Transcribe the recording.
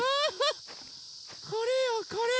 これよこれ！